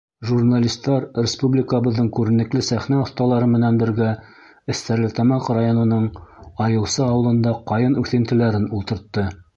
Журналистар республикабыҙҙың күренекле сәхнә оҫталары менән бергә Стәрлетамаҡ районының Айыусы ауылында ҡайын үҫентеләрен ултыртты.